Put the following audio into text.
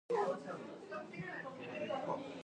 Hamber later became the company's President.